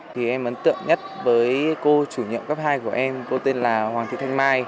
thì em ấn tượng nhất với cô chủ nhiệm cấp hai của em cô tên là hoàng thị thanh mai